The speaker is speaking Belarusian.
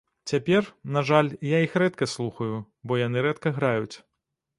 Цяпер, на жаль, я іх рэдка слухаю, бо яны рэдка граюць.